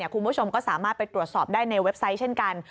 คุณผู้ชมก็สามารถไปตรวจสอบได้ในเว็บไซต์เช่นกัน